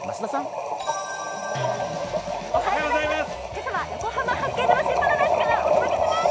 今朝は横浜・八景島シーパラダイスからお届けします！